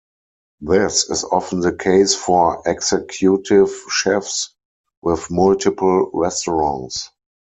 This is often the case for executive chefs with multiple restaurants.